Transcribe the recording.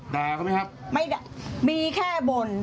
ด่าเขาไหมครับมีแค่บ่น